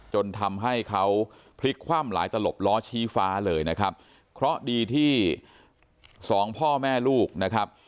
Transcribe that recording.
จนทำให้เขาพลิกคว่ำหลายตลบล้อชี้ฟ้าเลยนะครับเพราะดีที่สองพ่อแม่ลูกนะครับ